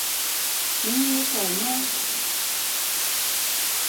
你要做咩？